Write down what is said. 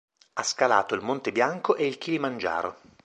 Ha scalato il Monte Bianco e il Kilimangiaro.